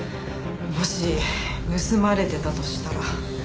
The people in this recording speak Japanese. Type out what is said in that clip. もし盗まれてたとしたら。